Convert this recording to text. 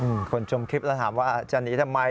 คนชมคลิปแล้วถามว่าจะหนีทำไม